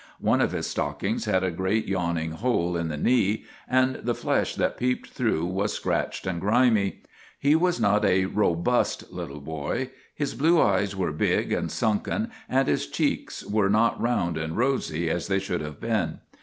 One of his stockings had a great yawn ing hole in the knee, and the flesh that peeped through was scratched and grimy. He was not a robust little boy. His blue eyes were big and MAGINNIS 55 sunken, and his cheeks were not round and rosy as they should have been.